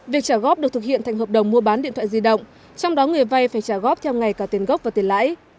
việc trả góp được thực hiện thành hợp đồng mua bán điện thoại di động trong đó người vay phải trả góp theo ngày cả tiền gốc và tiền lãi